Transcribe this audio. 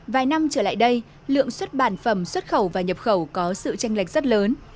vài năm trở lại đây lượng xuất bản phẩm xuất khẩu và nhập khẩu có sự tranh lệch rất lớn